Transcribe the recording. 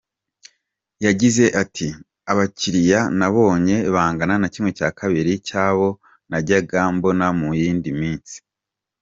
Yagize ati “Abakiriya nabonye bangana na ½ cy’abo najyaga mbona mu yindi minsi.